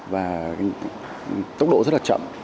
và tốc độ rất là chậm